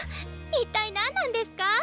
一体何なんですか？